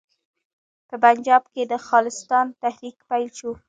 په پنجاب کې د خالصتان تحریک پیل شو.